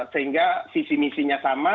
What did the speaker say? sehingga visi misinya sama